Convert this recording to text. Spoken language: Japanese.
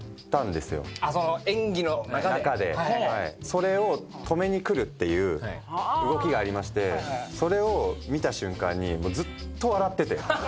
それを止めに来るっていう動きがありましてそれを見た瞬間にずっと笑ってて。